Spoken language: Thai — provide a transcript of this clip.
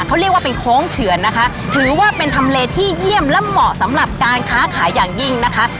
เขาเรียกว่าเป็นโค้งเฉือนนะคะถือว่าเป็นทำเลที่เยี่ยมและเหมาะสำหรับการค้าขายอย่างยิ่งนะคะ